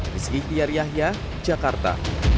rizky tiaryahya jakarta